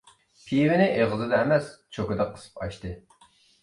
پىۋىنى ئېغىزىدا ئەمەس، چوكىدا قىسىپ ئاچتى.